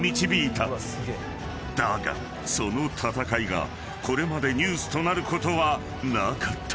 ［だがその闘いがこれまでニュースとなることはなかった］